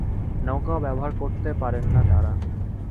নৌকাও ব্যবহার করতে পারেন না তাঁরা।